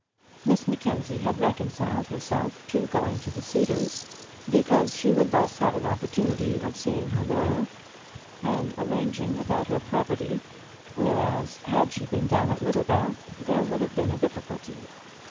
Miss Mackenzie had reconciled herself to going to the Cedars because she would thus have an opportunity of seeing her lawyer and arranging about her property, whereas had she been down at Littlebath there would have been a difficulty.